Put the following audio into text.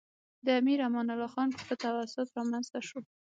د امیر امان الله خان په تواسط رامنځته شو.